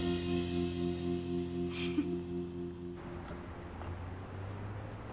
フフッ。